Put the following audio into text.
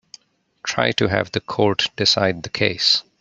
Try to have the court decide the case.